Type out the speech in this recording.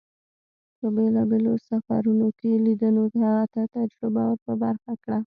په بېلابېلو سفرون کې لیدنو هغه ته تجربه ور په برخه کړه.